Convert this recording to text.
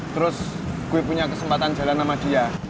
terus gue punya kesempatan jalan sama dia